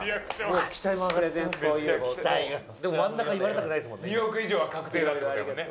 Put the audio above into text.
でも真ん中言われたくないですもんね。